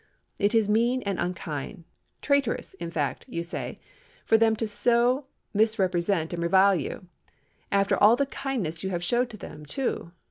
It is mean and unkind—traitorous, in fact, you say, for them so to misrepresent and revile you—after all the kindness you have showed to them, too!